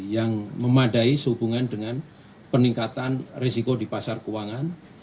yang memadai sehubungan dengan peningkatan resiko di pasar keuangan